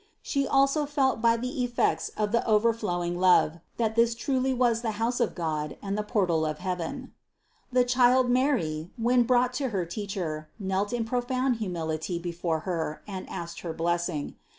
She also felt by the effects of the overflowing love, that this truly was the house of God and the portal of heaven. 425. The child Mary, when brought to her teacher, knelt in profound humility before her and asked her blessing.